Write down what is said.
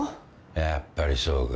やっぱりそうか。